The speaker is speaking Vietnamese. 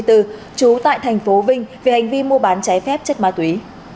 trú tại thành phố vinh về hành vi mua bán trái phép chất ma túy